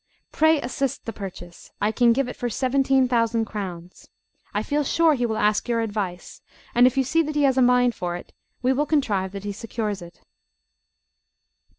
Pray assist the purchase; I can give it for seventeen thousand crowns. I feel sure he will ask your advice; and if you see that he has a mind for it, we will contrive that he secures it."